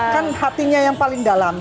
kan hatinya yang paling dalam